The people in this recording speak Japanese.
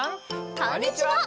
こんにちは！